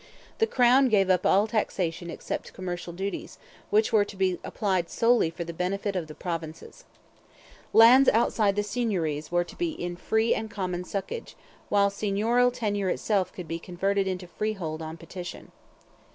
The Crown gave up all taxation except commercial duties, which were to be applied solely for the benefit of the provinces. Lands outside the seigneuries were to be in free and common socage, while seigneurial tenure itself could be converted into freehold on petition.